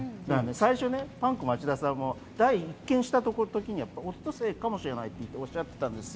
最初、パンク町田さんも一見した時にはオットセイかもしれないと、おっしゃっていたんですよ。